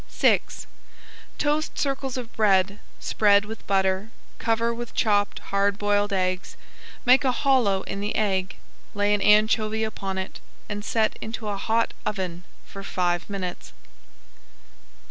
VI Toast circles of bread, spread with butter, cover with chopped hard boiled eggs, make a hollow in the egg, lay an anchovy upon it, and set into a hot oven for five minutes.